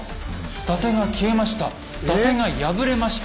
伊達が消えました。